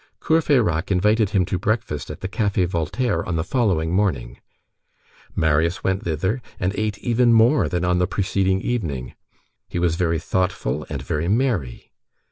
Courfeyrac invited him to breakfast at the Café Voltaire on the following morning. Marius went thither, and ate even more than on the preceding evening. He was very thoughtful and very merry.